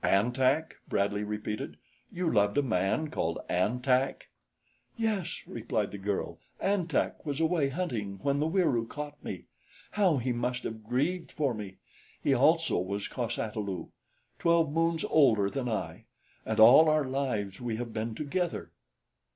"An Tak!" Bradley repeated. "You loved a man called An Tak?" "Yes," replied the girl. "An Tak was away, hunting, when the Wieroo caught me. How he must have grieved for me! He also was cos ata lu, twelve moons older than I, and all our lives we have been together."